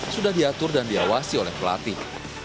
sudah diatur dan diawasi oleh pelatih